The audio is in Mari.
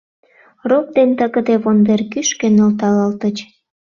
Рок ден тыгыде вондер кӱшкӧ нӧлталалтыч.